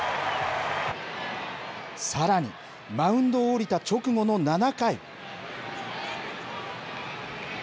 さらにマウンドを降りた直後の７回。